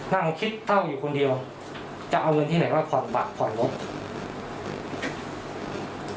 นั่งคิดเท่าอยู่คนเดียวจะเอาเงินที่ไหนมาผ่อนบัตรผ่อนรถ